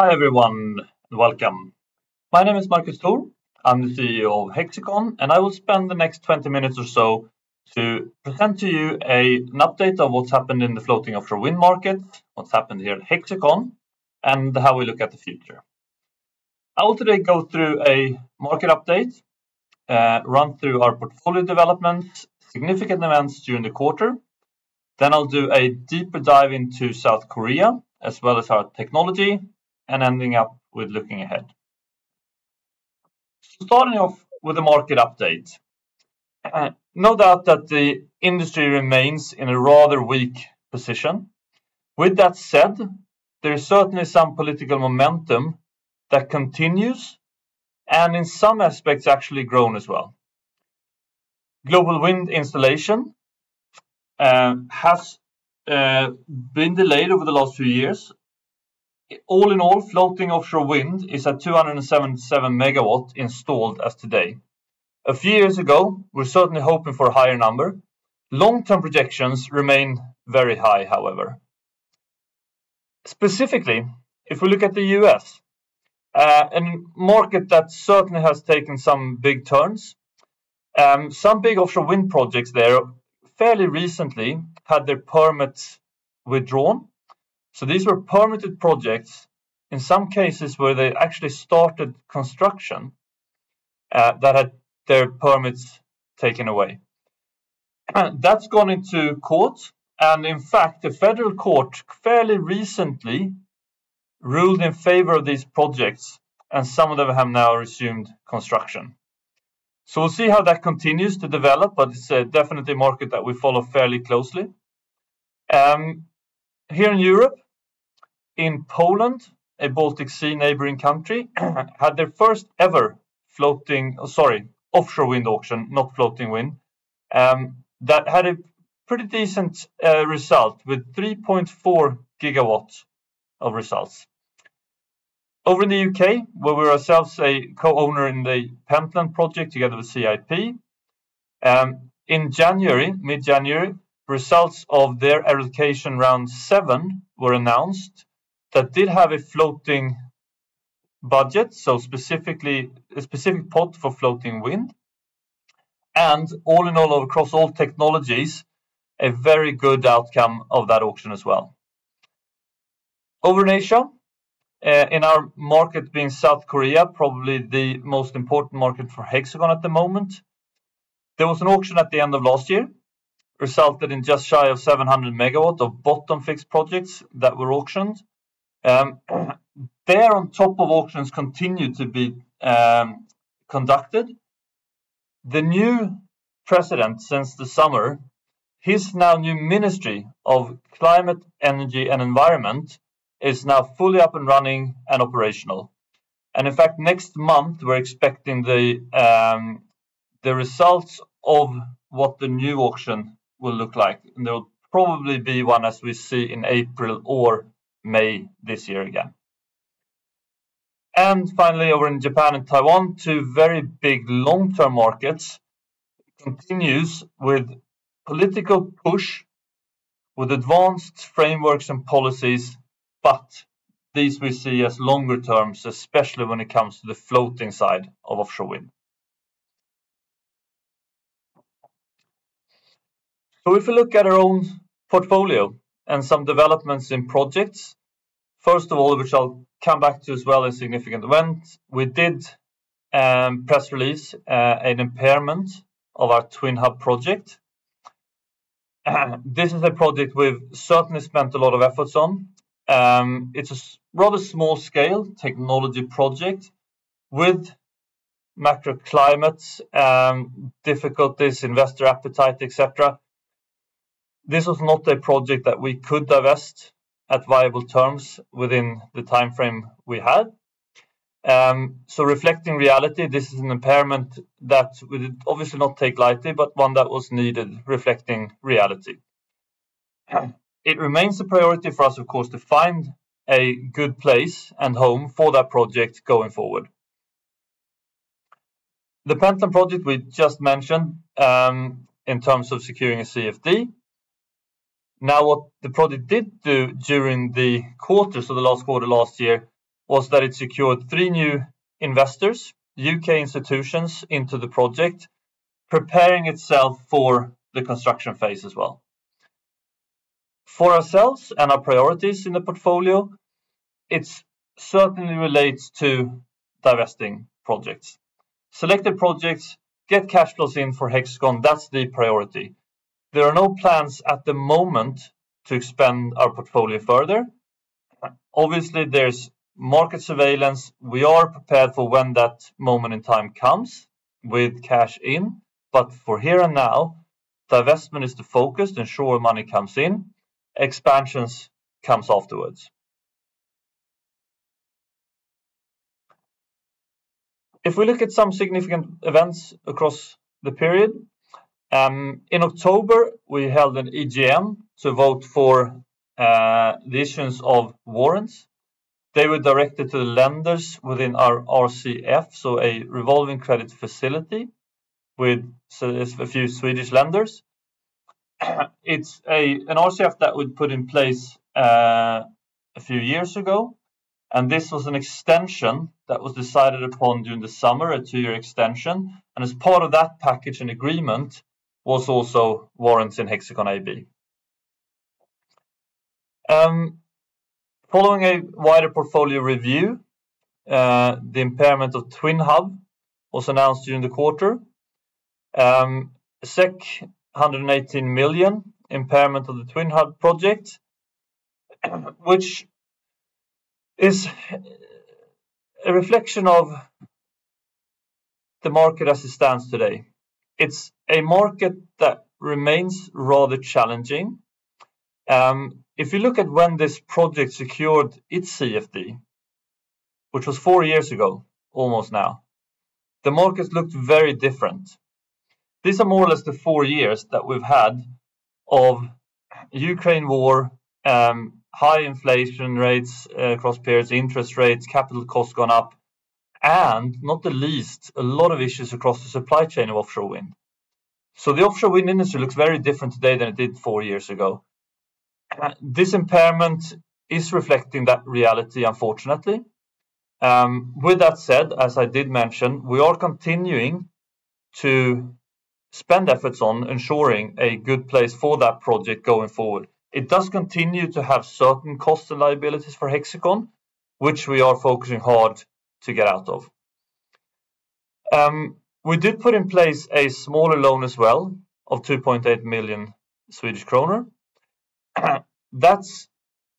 Hi, everyone, and welcome. My name is Marcus Thor. I'm the CEO of Hexicon. I will spend the next 20 minutes or so to present to you an update on what's happened in the floating offshore wind market, what's happened here at Hexicon, and how we look at the future. I will today go through a market update, run through our portfolio development, significant events during the quarter. I'll do a deeper dive into South Korea, as well as our technology, ending up with looking ahead. Starting off with the market update. No doubt that the industry remains in a rather weak position. With that said, there is certainly some political momentum that continues, in some aspects, actually grown as well. Global wind installation has been delayed over the last few years. All in all, floating offshore wind is at 277 MW installed as today. A few years ago, we're certainly hoping for a higher number. Long-term projections remain very high, however. Specifically, if we look at the U.S., a market that certainly has taken some big turns, some big offshore wind projects there, fairly recently had their permits withdrawn. These were permitted projects, in some cases, where they actually started construction, that had their permits taken away. That's gone into court, in fact, the federal court, fairly recently, ruled in favor of these projects, and some of them have now resumed construction. We'll see how that continues to develop, but it's a definitely a market that we follow fairly closely. Here in Europe, in Poland, a Baltic Sea neighboring country, had their first ever floating, sorry, offshore wind auction, not floating wind, that had a pretty decent result with 3.4 GW of results. Over in the U.K., where we ourselves a co-owner in the Pentland project, together with CIP. In January, mid-January, results of their Allocation Round 7 were announced. That did have a floating budget, so specifically, a specific pot for floating wind, and all in all, across all technologies, a very good outcome of that auction as well. Over in Asia, in our market being South Korea, probably the most important market for Hexicon at the moment, there was an auction at the end of last year, resulted in just shy of 700 MW of bottom-fixed projects that were auctioned. There, on top of auctions, continued to be conducted. The new president since the summer, his now new Ministry of Climate, Energy and Utilities, is now fully up and running and operational. In fact, next month, we're expecting the results of what the new auction will look like. There will probably be one, as we see, in April or May this year again. Finally, over in Japan and Taiwan, two very big long-term markets, continues with political push, with advanced frameworks and policies, but these we see as longer terms, especially when it comes to the floating side of offshore wind. If we look at our own portfolio and some developments in projects, first of all, which I'll come back to as well as significant events, we did press release an impairment of our TwinHub project. This is a project we've certainly spent a lot of efforts on. It's a rather small-scale technology project with macro climate difficulties, investor appetite, et cetera. This was not a project that we could divest at viable terms within the time frame we had. Reflecting reality, this is an impairment that we did obviously not take lightly, but one that was needed reflecting reality. It remains a priority for us, of course, to find a good place and home for that project going forward. The Pentland project we just mentioned, in terms of securing a CFD. What the project did do during the quarter, so the last quarter last year, was that it secured three new investors, UK institutions, into the project, preparing itself for the construction phase as well. For ourselves and our priorities in the portfolio, it certainly relates to divesting projects. Selected projects get cash flows in for Hexicon, that's the priority. There are no plans at the moment to expand our portfolio further. Obviously, there's market surveillance. We are prepared for when that moment in time comes, with cash in, but for here and now, divestment is the focus, ensure money comes in, expansions comes afterwards. If we look at some significant events across the period, in October, we held an EGM to vote for the issuance of warrants. They were directed to the lenders within our RCF, so a revolving credit facility with a few Swedish lenders. It's an RCF that we'd put in place a few years ago, and this was an extension that was decided upon during the summer, a two-year extension. As part of that package and agreement, was also warrants in Hexicon AB. Following a wider portfolio review, the impairment of TwinHub was announced during the quarter. 118 million impairment of the TwinHub project, which is a reflection of the market as it stands today. It's a market that remains rather challenging. If you look at when this project secured its CFD, which was four years ago, almost now, the markets looked very different. These are more or less the four years that we've had of Ukraine War, high inflation rates, across periods, interest rates, capital costs gone up, and not the least, a lot of issues across the supply chain of offshore wind. The offshore wind industry looks very different today than it did four years ago. This impairment is reflecting that reality, unfortunately. With that said, as I did mention, we are continuing to spend efforts on ensuring a good place for that project going forward. It does continue to have certain costs and liabilities for Hexicon, which we are focusing hard to get out of. We did put in place a smaller loan as well of 2.8 million Swedish kronor. That's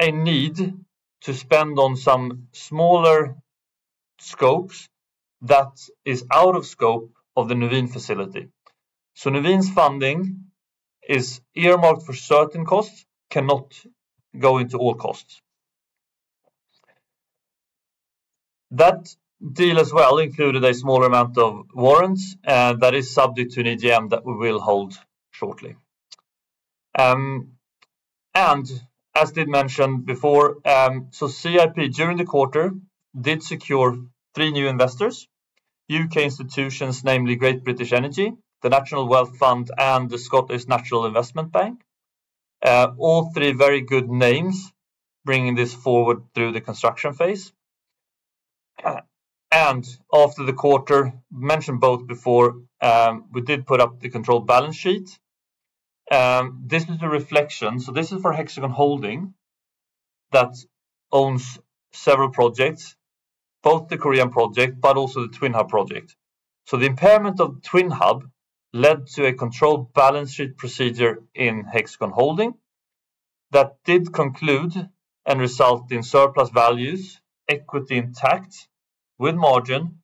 a need to spend on some smaller scopes that is out of scope of the Nuveen facility. Nuveen's funding is earmarked for certain costs, cannot go into all costs. That deal as well included a smaller amount of warrants that is subject to an AGM that we will hold shortly. As did mention before, CIP during the quarter did secure three new investors, U.K. institutions, namely Great British Energy, the National Wealth Fund, and the Scottish National Investment Bank. All three very good names, bringing this forward through the construction phase. After the quarter, mentioned both before, we did put up the controlled balance sheet. This is a reflection. This is for Hexicon Holding that owns several projects, both the Korean project, but also the TwinHub project. The impairment of TwinHub led to a controlled balance sheet procedure in Hexicon Holding that did conclude and result in surplus values, equity intact with margin,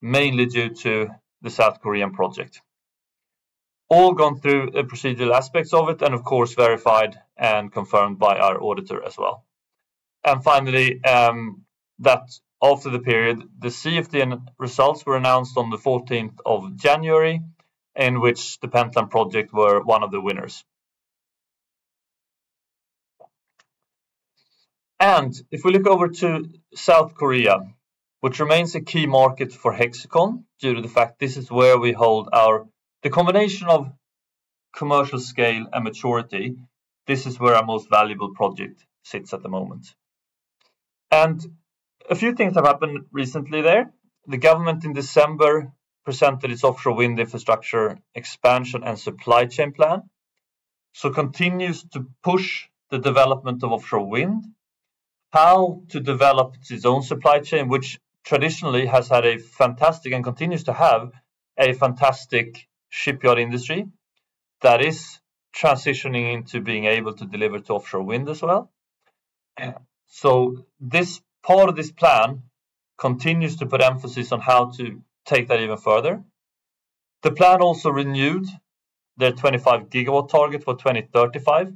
mainly due to the South Korean project. All gone through the procedural aspects of it and of course, verified and confirmed by our auditor as well. Finally, that after the period, the CFD and results were announced on the 14th of January, in which the Pentland project were one of the winners. If we look over to South Korea, which remains a key market for Hexicon, due to the fact this is where we hold the combination of commercial scale and maturity, this is where our most valuable project sits at the moment. A few things have happened recently there. The government in December presented its offshore wind infrastructure expansion and supply chain plan. Continues to push the development of offshore wind, how to develop its own supply chain, which traditionally has had a fantastic and continues to have a fantastic shipyard industry that is transitioning into being able to deliver to offshore wind as well. This, part of this plan continues to put emphasis on how to take that even further. The plan also renewed their 25 GW target for 2035,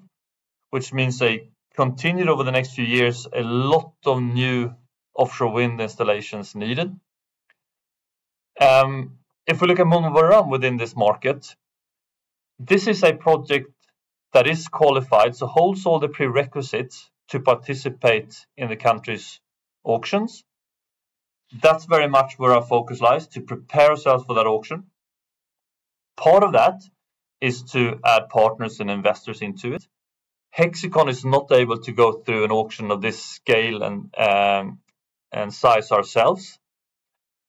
which means they continued over the next few years, a lot of new offshore wind installations needed. If we look at MunmuBaram within this market, this is a project that is qualified, so holds all the prerequisites to participate in the country's auctions. That's very much where our focus lies, to prepare ourselves for that auction. Part of that is to add partners and investors into it. Hexicon is not able to go through an auction of this scale and size ourselves.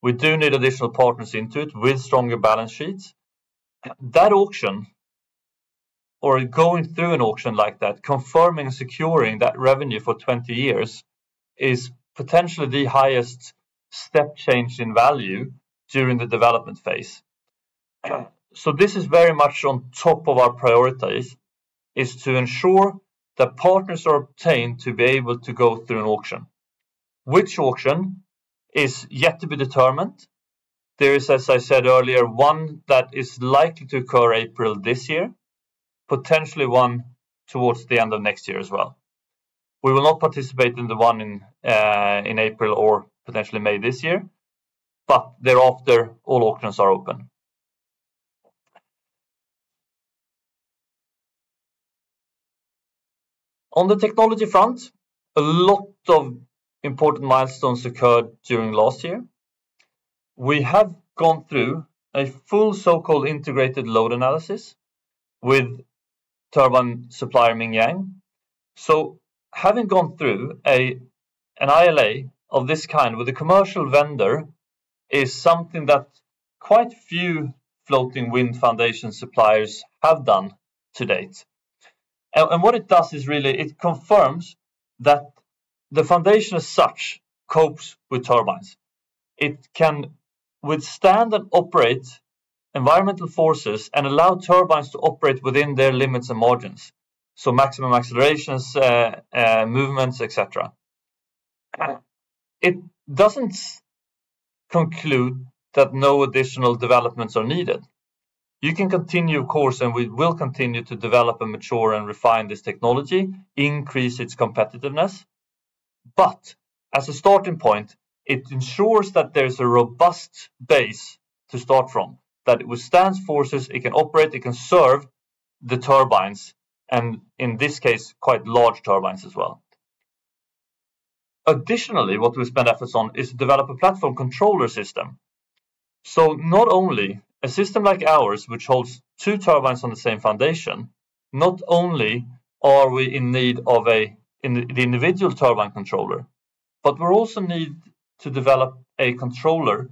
We do need additional partners into it with stronger balance sheets. That auction or going through an auction like that, confirming, securing that revenue for 20 years, is potentially the highest step change in value during the development phase. This is very much on top of our priorities, is to ensure that partners are obtained to be able to go through an auction. Which auction is yet to be determined. There is, as I said earlier, one that is likely to occur April this year, potentially one towards the end of next year as well. We will not participate in the one in April or potentially May this year, but thereafter, all auctions are open. On the technology front, a lot of important milestones occurred during last year. We have gone through a full so-called integrated load analysis with turbine supplier Mingyang. So having gone through an ILA of this kind with a commercial vendor is something that quite few floating wind foundation suppliers have done to date. What it does is really it confirms that the foundation as such copes with turbines. It can withstand and operate environmental forces and allow turbines to operate within their limits and margins, so maximum accelerations, movements, et cetera. It doesn't conclude that no additional developments are needed. You can continue, of course, and we will continue to develop and mature and refine this technology, increase its competitiveness. As a starting point, it ensures that there's a robust base to start from, that it withstands forces, it can operate, it can serve the turbines, and in this case, quite large turbines as well. Additionally, what we spend efforts on is to develop a platform controller system. Not only a system like ours, which holds two turbines on the same foundation, not only are we in need of in the individual turbine controller, but we're also need to develop a controller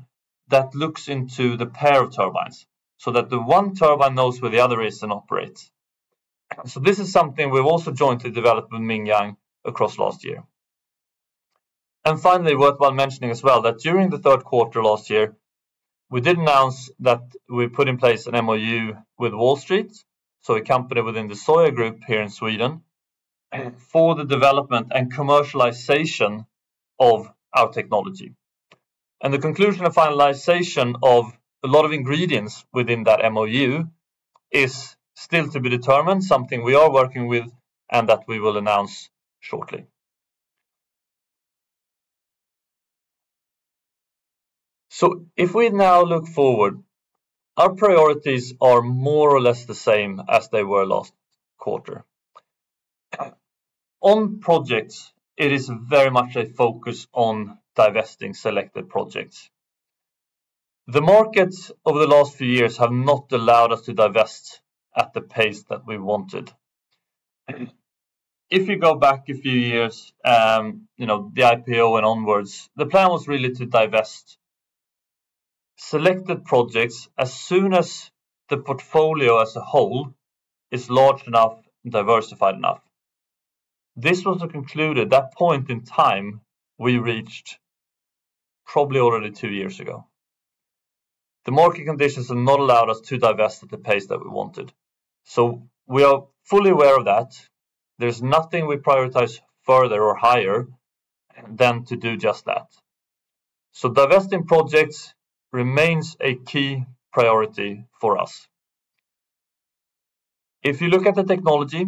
that looks into the pair of turbines, so that the one turbine knows where the other is and operates. This is something we've also jointly developed with Mingyang across last year. Finally, worthwhile mentioning as well, that during the third quarter last year, we did announce that we put in place an MoU with Wallstreet, so a company within the Soya Group here in Sweden, for the development and commercialization of our technology. The conclusion and finalization of a lot of ingredients within that MOU is still to be determined, something we are working with and that we will announce shortly. If we now look forward, our priorities are more or less the same as they were last quarter. On projects, it is very much a focus on divesting selected projects. The markets over the last few years have not allowed us to divest at the pace that we wanted. If you go back a few years, you know, the IPO and onwards, the plan was really to divest selected projects as soon as the portfolio as a whole is large enough and diversified enough. This was to conclude at that point in time, we reached probably already two years ago. The market conditions have not allowed us to divest at the pace that we wanted, so we are fully aware of that. There's nothing we prioritize further or higher than to do just that. Divesting projects remains a key priority for us. If you look at the technology,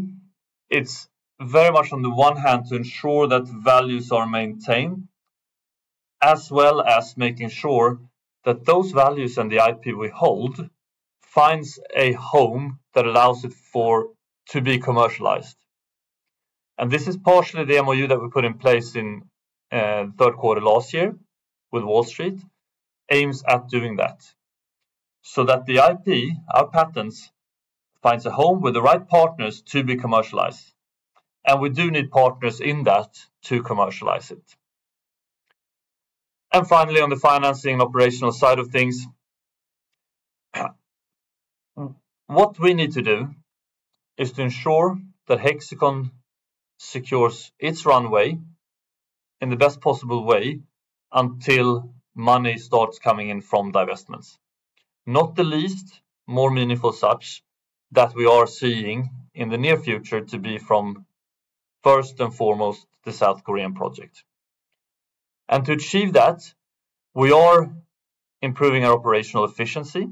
it's very much on the one hand, to ensure that values are maintained, as well as making sure that those values and the IP we hold finds a home that allows it to be commercialized. This is partially the MOU that we put in place in third quarter last year with Wallenius, aims at doing that. The IP, our patents, finds a home with the right partners to be commercialized, and we do need partners in that to commercialize it. Finally, on the financing and operational side of things, what we need to do is to ensure that Hexicon secures its runway in the best possible way until money starts coming in from divestments. Not the least more meaningful such, that we are seeing in the near future to be from, first and foremost, the South Korean project. To achieve that, we are improving our operational efficiency,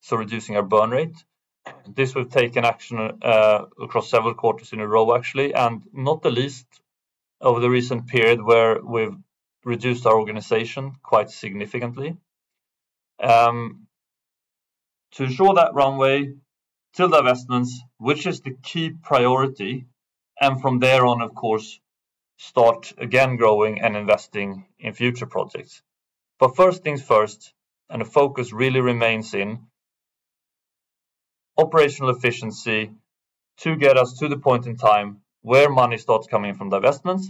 so reducing our burn rate. This will take an action across several quarters in a row, actually, and not the least, over the recent period where we've reduced our organization quite significantly. To ensure that runway to divestments, which is the key priority, and from there on, of course, start again growing and investing in future projects. First things first, and the focus really remains in operational efficiency to get us to the point in time where money starts coming in from divestments,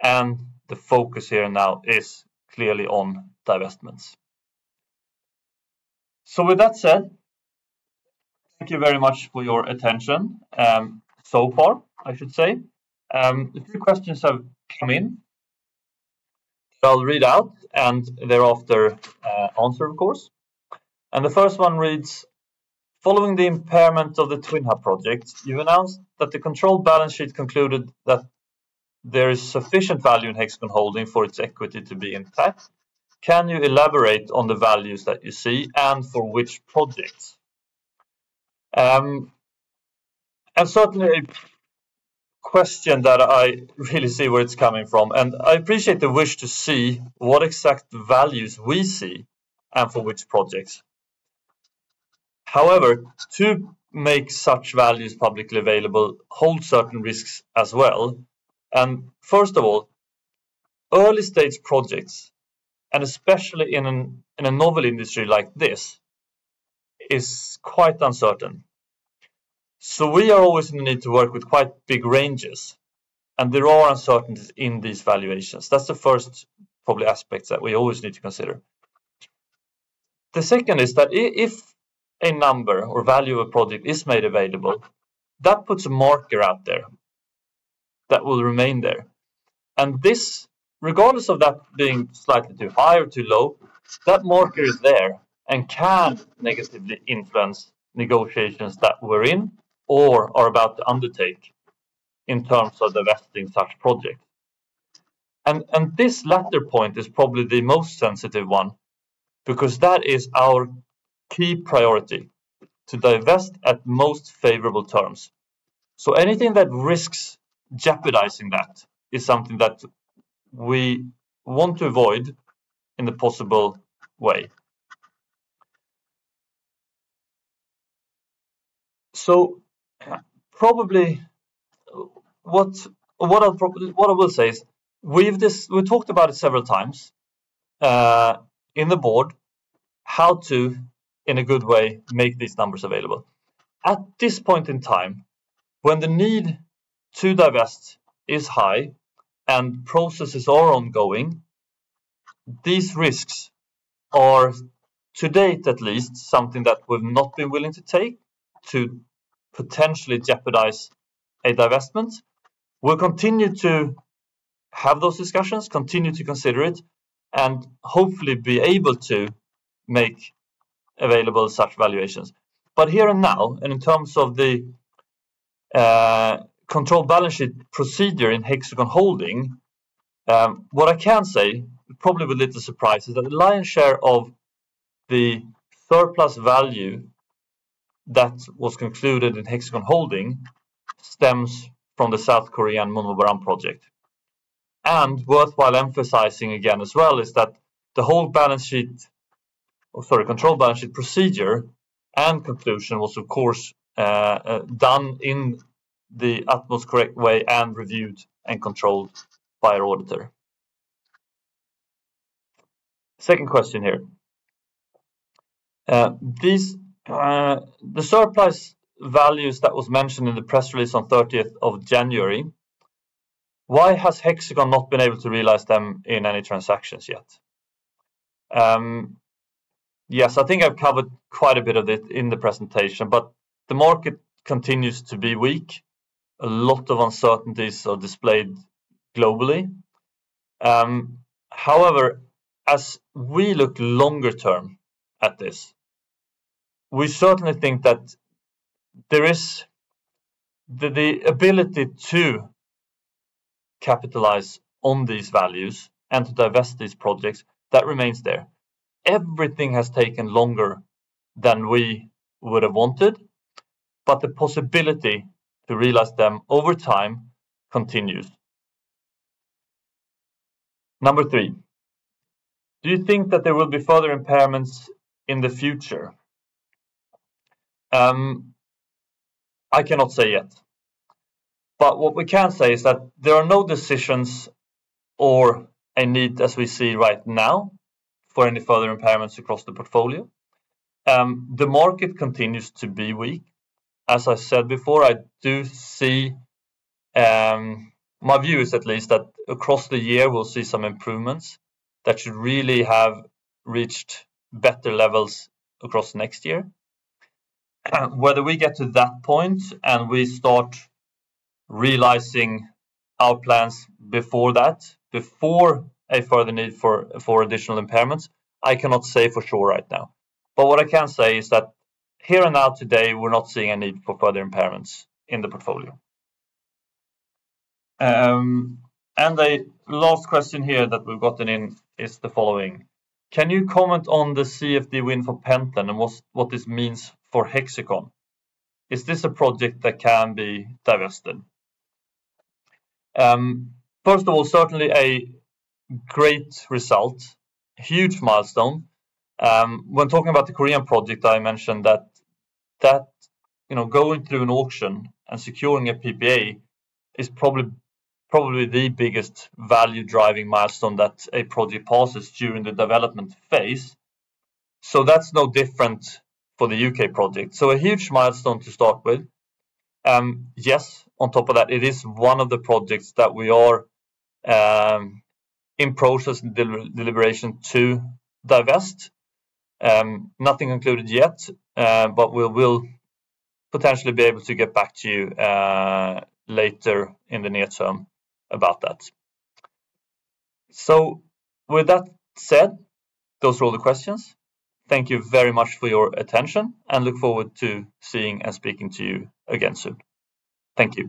and the focus here now is clearly on divestments. With that said, thank you very much for your attention, so far, I should say. A few questions have come in. I'll read out and thereafter, answer, of course. The first one reads, "Following the impairment of the TwinHub project, you announced that the controlled balance sheet concluded that there is sufficient value in Hexicon Holding for its equity to be intact. Can you elaborate on the values that you see and for which projects?" Certainly a question that I really see where it's coming from, and I appreciate the wish to see what exact values we see and for which projects. However, to make such values publicly available hold certain risks as well. First of all, early-stage projects, and especially in a novel industry like this, is quite uncertain. We are always in the need to work with quite big ranges, and there are uncertainties in these valuations. That's the first probably aspects that we always need to consider. The second is that if a number or value of a project is made available, that puts a marker out there that will remain there, and this, regardless of that being slightly too high or too low, that marker is there and can negatively influence negotiations that we're in or are about to undertake in terms of divesting such project. This latter point is probably the most sensitive one, because that is our key priority, to divest at most favorable terms. Anything that risks jeopardizing that is something that we want to avoid in a possible way. Probably, what I will say is, we talked about it several times in the board, how to, in a good way, make these numbers available. At this point in time, when the need to divest is high and processes are ongoing, these risks are, to date at least, something that we've not been willing to take to potentially jeopardize a divestment. We'll continue to have those discussions, continue to consider it, and hopefully be able to make available such valuations. Here and now, and in terms of the controlled balance sheet procedure in Hexicon Holding, what I can say, probably will little surprise, is that the lion's share of the surplus value that was concluded in Hexicon Holding stems from the South Korean MunmuBaram project. Worthwhile emphasizing again as well is that the whole balance sheet, or sorry, controlled balance sheet procedure and conclusion was, of course, done in the utmost correct way and reviewed and controlled by our auditor. Second question here. These, the surplus values that was mentioned in the press release on 30th of January, why has Hexicon not been able to realize them in any transactions yet? Yes, I think I've covered quite a bit of it in the presentation, but the market continues to be weak. A lot of uncertainties are displayed globally. However, as we look longer term at this, we certainly think that there is the ability to capitalize on these values and to divest these projects, that remains there. Everything has taken longer than we would have wanted, but the possibility to realize them over time continues. Number three, do you think that there will be further impairments in the future? I cannot say yet, but what we can say is that there are no decisions or a need, as we see right now, for any further impairments across the portfolio. The market continues to be weak. As I said before, I do see, my view is at least that across the year, we'll see some improvements that should really have reached better levels across next year. Whether we get to that point and we start realizing our plans before that, before a further need for additional impairments, I cannot say for sure right now. What I can say is that here and now today, we're not seeing a need for further impairments in the portfolio. The last question here that we've gotten in is the following: Can you comment on the CFD win for Pentland and what this means for Hexicon? Is this a project that can be divested? First of all, certainly a great result, a huge milestone. When talking about the Korean project, I mentioned that, you know, going through an auction and securing a PPA is probably the biggest value-driving milestone that a project passes during the development phase. That's no different for the UK project. A huge milestone to start with. Yes, on top of that, it is one of the projects that we are in process and deliberation to divest. Nothing concluded yet, but we will potentially be able to get back to you later in the near term about that. With that said, those are all the questions. Thank you very much for your attention, and look forward to seeing and speaking to you again soon. Thank you.